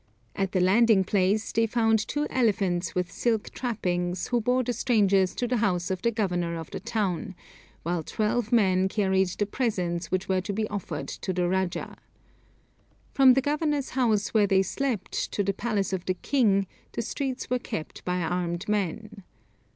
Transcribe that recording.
At the landing place they found two elephants with silk trappings, who bore the strangers to the house of the governor of the town, while twelve men carried the presents which were to be offered to the rajah. From the governor's house where they slept, to the palace of the king, the streets were kept by armed men.